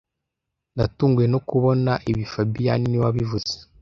Natunguwe no kubona ibi fabien niwe wabivuze (